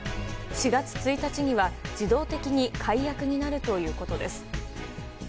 ４月１日には自動的に解約になるということです。